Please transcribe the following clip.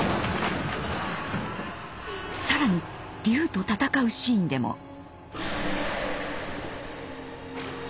更に龍と戦うシーンでも。